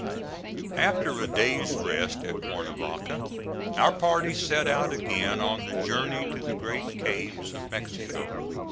After a day's rest at Cuernavaca our party set out again on the journey to the great caves of Mexico.